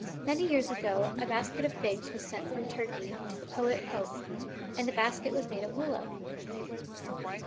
Many years ago a basket of figs was sent from Turkey to the poet Pope, and the basket was made of willow.